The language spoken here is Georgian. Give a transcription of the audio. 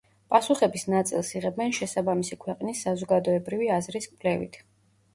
პასუხების ნაწილს იღებენ შესაბამისი ქვეყნის საზოგადოებრივი აზრის კვლევით.